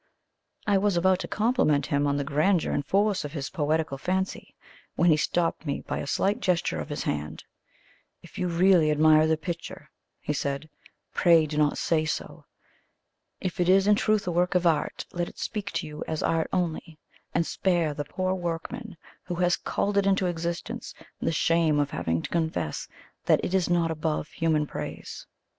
I was about to compliment him on the grandeur and force of his poetical fancy, when he stopped me by a slight gesture of his hand. "If you really admire the picture," he said, "pray do not say so. If it is in truth a work of art, let it speak to you as art only, and spare the poor workman who has called it into existence the shame of having to confess that it is not above human praise.